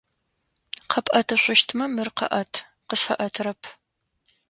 Къэпӏэтышъущтмэ мыр къэӏэт, къысфэӏэтырэп.